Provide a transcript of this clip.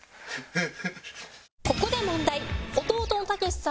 えっ？